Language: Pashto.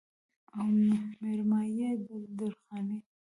او مېرمايي يې د درخانۍ